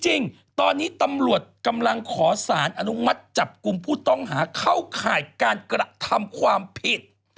จริงตอนนี้ตำรวจกำลังขอสารอนุมัติจับกลุ่มผู้ต้องหาเข้าข่ายการกระทำความผิด